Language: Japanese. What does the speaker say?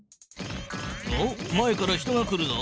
おっ前から人が来るぞ。